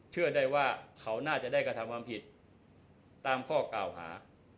เชื่อได้ว่าเขาน่าจะได้กระทำความผิดตามข้อกล่าวหา